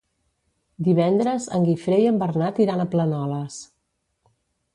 Divendres en Guifré i en Bernat iran a Planoles.